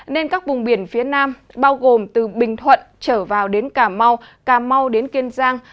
nên các vùng biển phía nam bao gồm từ bình thuận trở vào đến cà mau cà mau đến kiên giang